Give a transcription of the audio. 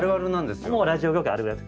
もうラジオ業界あるある。